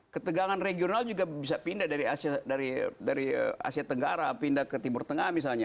ketegangan regional juga bisa pindah dari asia tenggara pindah ke timur tengah misalnya